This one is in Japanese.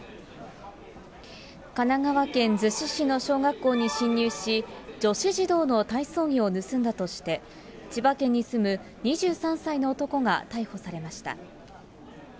神奈川県逗子市の小学校に侵入し、女子児童の体操着を盗んだとして、千葉県に住む２３歳の男が逮捕されました。